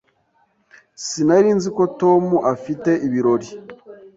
Sinari nzi ko Tom afite ibirori.